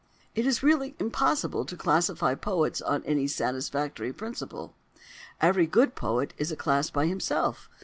It is really impossible to classify poets on any satisfactory principle. Every good poet is a class by himself.